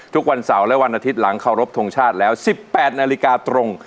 ทุกวันเสาร์และวันอาทิตย์หลังเคารพทงชาติแล้ว๑๘นาฬิกาตรง